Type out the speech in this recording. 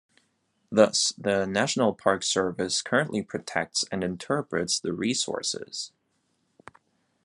Thus, the National Park Service currently protects and interprets the resources.